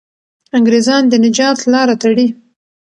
انګریزان د نجات لاره تړي.